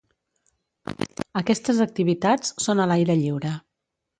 Aquestes activitats són a l'aire lliure.